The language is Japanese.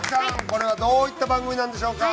これはどういった番組なんでしょうか？